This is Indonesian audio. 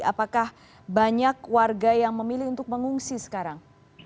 apakah banyak warga yang memilih untuk mengungsi sekarang